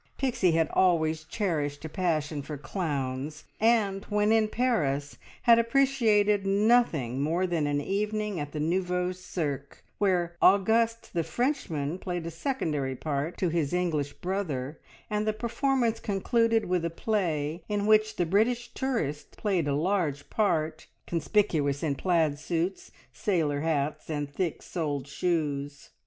Pixie had always cherished a passion for clowns, and when in Paris had appreciated nothing more than an evening at the "Nouveau Cirque," where Auguste the Frenchman played a secondary part to his English brother, and the performance concluded with a play in which the British tourist played a large part, conspicuous in plaid suits, sailor hats, and thick soled shoes.